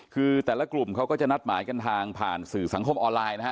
คือแต่ละกลุ่มเขาก็จะนัดหมายกันทางผ่านสื่อสังคมออนไลน์นะฮะ